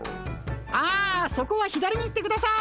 あそこは左に行ってください。